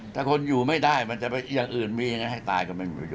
ถ้าคนอยู่ไม่ได้มันจะไปอย่างอื่นมีอย่างนั้นให้ตายก็ไม่มีอยู่